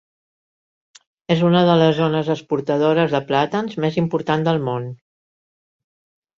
És una de les zones exportadores de plàtans més important del món.